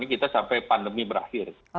kita sampai pandemi berakhir